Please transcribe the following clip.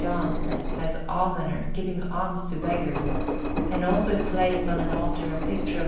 John, as Almoner, giving alms to beggars, and also placed on an altar a picture of S.